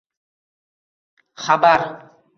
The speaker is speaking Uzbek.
xabar